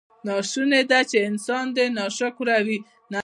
ناشونې ده چې انسان دې ناشکره وي.